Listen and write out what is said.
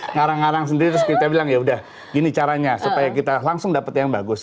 ngarang ngarang sendiri terus kita bilang yaudah gini caranya supaya kita langsung dapat yang bagus